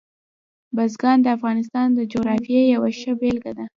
بزګان د افغانستان د جغرافیې یوه ښه بېلګه ده.